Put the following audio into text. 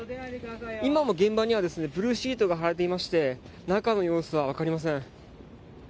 今も現場にはブルーシートが張られていまして中の様子は分かりません。